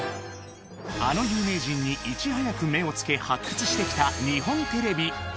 あの有名人にいち早く目をつけ、発掘してきた日本テレビ。